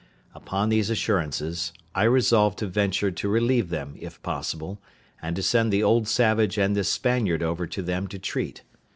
Upon these assurances, I resolved to venture to relieve them, if possible, and to send the old savage and this Spaniard over to them to treat.